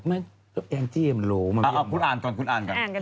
คือใครอ้าวคุณอ่านก่อนคุณอ่านก่อน